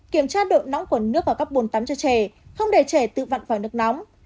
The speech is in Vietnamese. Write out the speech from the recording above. kiểm tra độ nóng của nước vào các buồn tắm cho trẻ không để trẻ tự vặn vào nước nóng